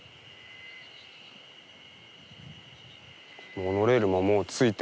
モノレールももうついて。